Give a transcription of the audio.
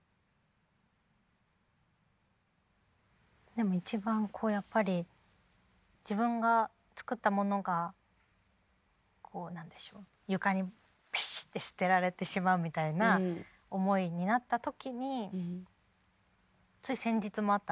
でも一番こうやっぱり自分が作ったものがこう何でしょう床にペシッて捨てられてしまうみたいな思いになった時につい先日もあったんですけど。